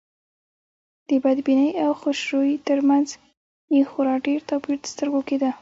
د بدبینۍ او خوشروی تر منځ یې خورا ډېر توپير تر سترګو کېده.